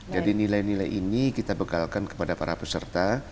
jadi nilai nilai ini kita bekalkan kepada para peserta